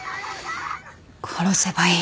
殺せばいい。